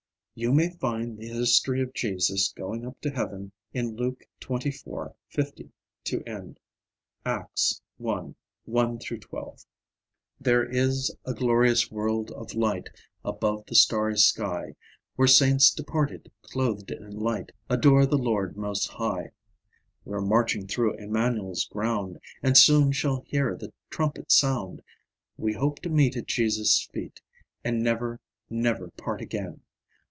You may find the history of Jesus going up to heaven in Luke xxiv. 50 to end; Acts i. 1 12. There is a glorious world of light, Above the starry sky, Where saints departed, clothed in light, Adore the Lord most high. We're marching through Immanuel's ground, And soon shall hear the trumpet sound. We hope to meet at Jesus' feet, And never, never part again!